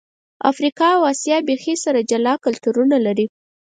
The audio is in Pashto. افریقا او آسیا بیخي سره جلا کلتورونه لري.